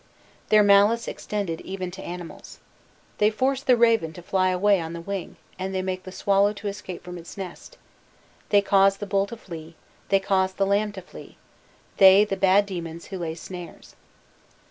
Their malice extended even to animals: "They force the raven to fly away on the wing, and they make the swallow to escape from its nest; they cause the bull to flee, they cause the lamb to flee they, the bad demons who lay snares."